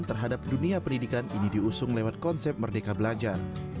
terhadap dunia pendidikan ini diusung lewat konsep merdeka belajar